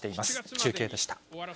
中継でした。